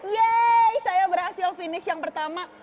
yeay saya berhasil finish yang pertama